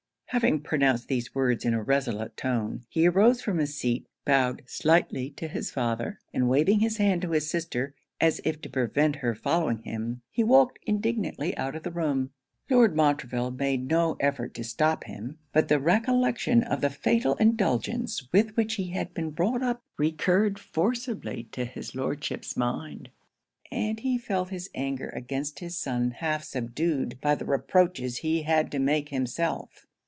Having pronounced these words in a resolute tone, he arose from his seat, bowed slightly to his father, and waving his hand to his sister, as if to prevent her following him, he walked indignantly out of the room. Lord Montreville made no effort to stop him. But the recollection of the fatal indulgence with which he had been brought up recurred forcibly to his Lordship's mind; and he felt his anger against his son half subdued by the reproaches he had to make himself.